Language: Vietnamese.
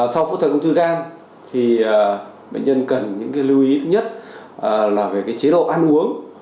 sau phẫu thuật ung thư gan thì bệnh nhân cần những lưu ý thứ nhất là về chế độ ăn uống